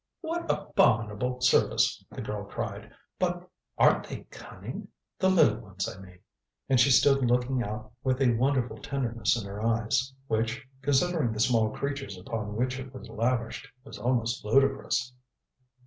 "What abominable service," the girl cried. "But aren't they cunning? The little ones, I mean." And she stood looking out with a wonderful tenderness in her eyes, which, considering the small creatures upon which it was lavished, was almost ludicrous.